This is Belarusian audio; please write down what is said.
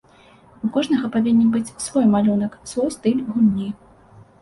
У кожнага павінен быць свой малюнак, свой стыль гульні.